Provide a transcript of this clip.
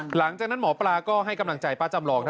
หลังจากนั้นหมอปลาก็ให้กำลังใจป้าจำลอง